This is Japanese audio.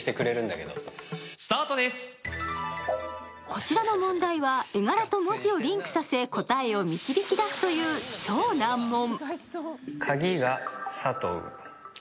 こちらの問題は絵柄と文字をリンクさせ、答えを導き出すという超難問。